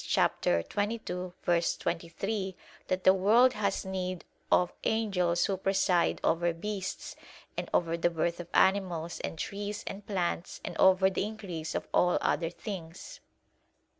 22:23), that "the world has need of angels who preside over beasts, and over the birth of animals, and trees, and plants, and over the increase of all other things" (Hom.